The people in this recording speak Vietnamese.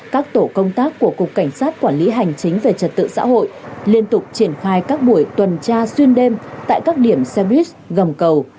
các tổ công tác của cục cảnh sát quản lý hành chính về trật tự xã hội liên tục triển khai các buổi tuần tra xuyên đêm tại các điểm xe buýt gầm cầu